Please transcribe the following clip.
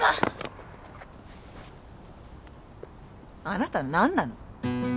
あなた何なの？